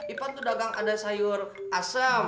ipan tuh dagang ada sayur asam